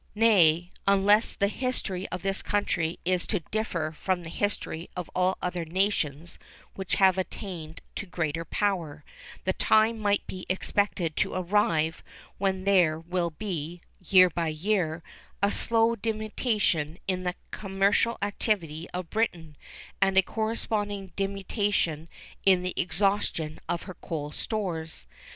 Nay, unless the history of this country is to differ from the history of all other nations which have attained to great power, the time might be expected to arrive when there will be, year by year, a slow diminution in the commercial activity of Britain, and a corresponding diminution in the exhaustion of her coal stores.